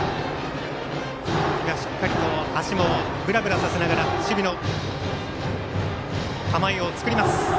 しっかりと足をぶらぶらさせながら守備の構えを作ります。